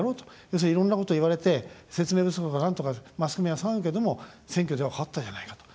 要するにいろんなことを言われて説明不足だなんとかマスコミは騒ぐけれども選挙では勝ったじゃないかと。